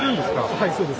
はいそうです。